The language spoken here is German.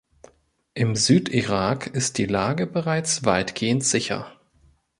Im Südirak ist die Lage bereits weitgehend sicher.